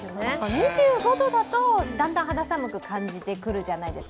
２５度だと、だんだん肌寒く感じてくるじゃないですか。